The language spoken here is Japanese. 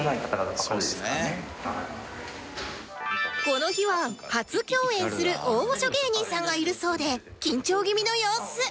この日は初共演する大御所芸人さんがいるそうで緊張気味の様子